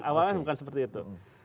awalnya bukan seperti itu